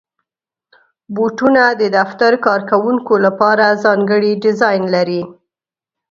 بوټونه د دفتر کارکوونکو لپاره ځانګړي ډیزاین لري.